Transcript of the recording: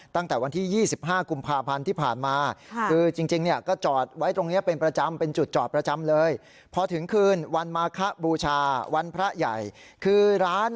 ตั้งแต่วันที่๒๕กุมภาพันธ์ที่ผ่านมา